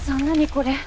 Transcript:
これ。